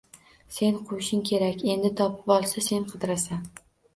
Sen quvishing kerak endi, topib olsa sen qidirasan.